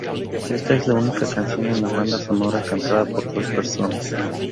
Ésta es la única canción en la banda sonora cantada por dos personas.